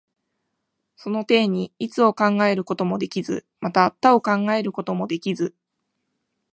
その底に一を考えることもできず、また多を考えることもできず、